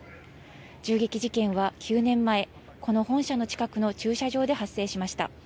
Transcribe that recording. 銃撃事件は９年前、この本社の近くの駐車場で発生しました。